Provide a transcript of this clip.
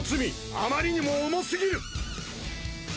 あまりにも重すぎる！